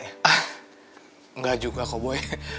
enggak juga kok boy